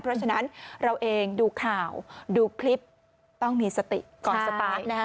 เพราะฉะนั้นเราเองดูข่าวดูคลิปต้องมีสติก่อนสตาร์ทนะฮะ